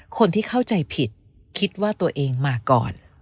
คนที่เข้าใจผิดคิดว่าตัวเองมาก่อน